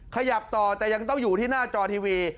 ขยับต่อแต่ยังต้องอยู่ที่หน้าจอทีวี